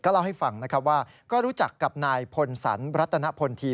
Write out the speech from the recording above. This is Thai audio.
เล่าให้ฟังนะครับว่าก็รู้จักกับนายพลสันรัตนพลที